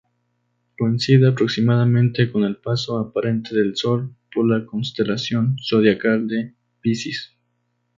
Coincide aproximadamente con el paso aparente del Sol por la constelación zodiacal de Piscis.